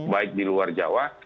baik di luar jawa